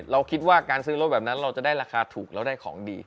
เราคิดว่าการซื้อรถแบบนั้นเราจะได้ราคาถูกเราได้ของดี